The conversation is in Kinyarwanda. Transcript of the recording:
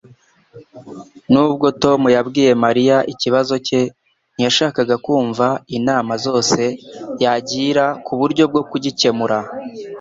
Nubwo Tom yabwiye Mariya ikibazo cye, ntiyashakaga kumva inama zose yagira ku buryo bwo kugikemura.